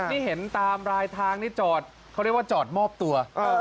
นี่เห็นตามรายทางนี่จอดเขาเรียกว่าจอดมอบตัว